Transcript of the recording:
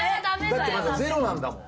だってまだゼロなんだもん。